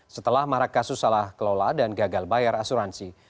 setelah marak kasus salah kelola dan gagal bayar asuransi